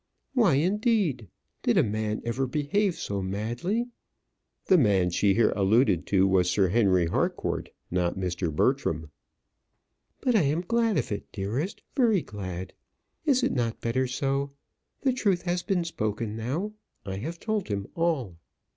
"Why, indeed! Did a man ever behave so madly?" The man she here alluded was Sir Henry Harcourt, not Mr. Bertram. "But I am glad of it, dearest; very glad. Is it not better so? The truth has been spoken now. I have told him all."